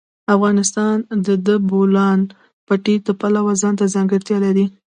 افغانستان د د بولان پټي د پلوه ځانته ځانګړتیا لري.